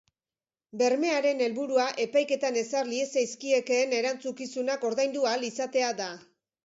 Bermearen helburua epaiketan ezar liezaizkiekeen erantzukizunak ordaindu ahal izatea da.